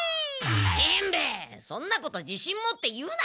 しんべヱそんなことじしん持って言うな！